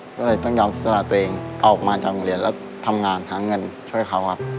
ก็เลยต้องยอมสละตัวเองออกมาจากโรงเรียนแล้วทำงานหาเงินช่วยเขาครับ